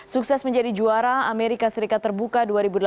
sukses menjadi juara amerika serikat terbuka dua ribu delapan belas